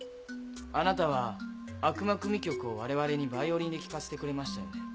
あなたは『悪魔組曲』を我々にバイオリンで聴かせてくれましたよね？